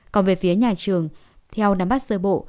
còn về phía nhà trường theo nắm bắt sơ bộ